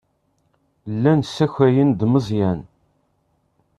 Llan ssakayen-d Meẓyan.